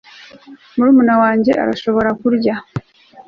murumuna wanjye arashobora kurya